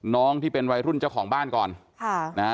น้องที่เป็นวัยรุ่นเจ้าของบ้านก่อน